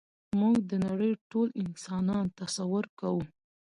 موږ د نړۍ ټول انسانان تصور کوو.